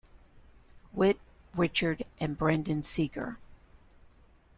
Witt, Richard and Brendan Segar.